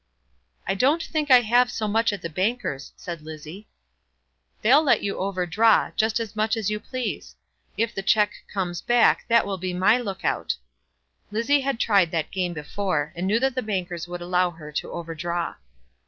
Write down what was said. "I don't think I have so much at the bankers," said Lizzie. "They'll let you overdraw, just as much as you please. If the cheque comes back that will be my look out." Lizzie had tried that game before, and knew that the bankers would allow her to overdraw.